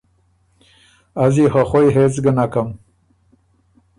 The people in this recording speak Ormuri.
از يې خه خوئ هېڅ ګۀ نکم